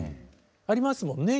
ありますもんね